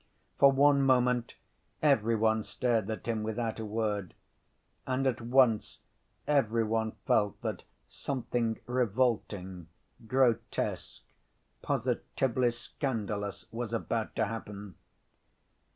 For one moment every one stared at him without a word; and at once every one felt that something revolting, grotesque, positively scandalous, was about to happen.